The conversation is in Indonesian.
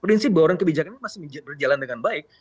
prinsip bawaan kebijakan ini masih berjalan dengan baik